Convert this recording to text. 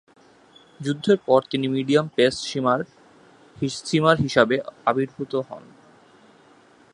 যুদ্ধের পর তিনি মিডিয়াম পেস সীমার হিসেবে আবির্ভূত হন।